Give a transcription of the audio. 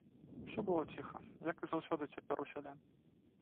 Усё было ціха, як і заўсёды цяпер у сяле.